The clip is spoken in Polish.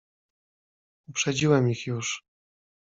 "Uprzedziłem ich już."